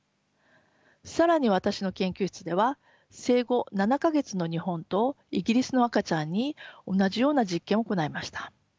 更に私の研究室では生後７か月の日本とイギリスの赤ちゃんに同じような実験を行いました。